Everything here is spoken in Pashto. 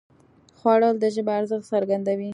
خوړل د ژبې ارزښت څرګندوي